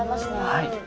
はい。